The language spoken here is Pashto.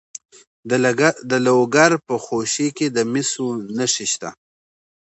د لوګر په خوشي کې د مسو نښې شته.